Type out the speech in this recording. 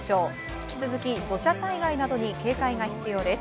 引き続き土砂災害などに警戒が必要です。